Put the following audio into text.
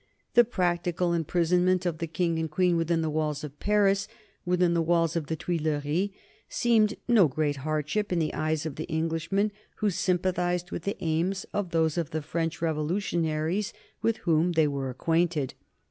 The practical imprisonment of the King and Queen within the walls of Paris, within the walls of the Tuileries, seemed no great hardship in the eyes of the Englishmen who sympathized with the aims of those of the French revolutionaries with whom they were acquainted.